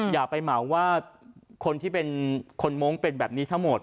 อย่าไปเหมาว่าคนที่เป็นคนมงค์เป็นแบบนี้ทั้งหมด